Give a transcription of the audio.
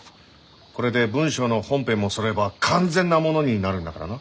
これで文章の本編もそろえば完全なものになるんだからな。